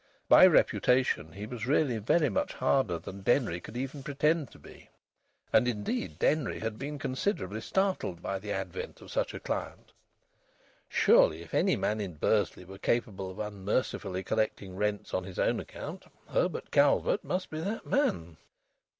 By reputation he was really very much harder than Denry could even pretend to be, and indeed Denry had been considerably startled by the advent of such a client. Surely if any man in Bursley were capable of unmercifully collecting rents on his own account, Herbert Calvert must be that man!